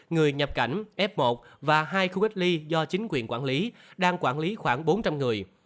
người nhập cảnh f một và hai khu cách ly do chính quyền quản lý đang quản lý khoảng bốn trăm linh người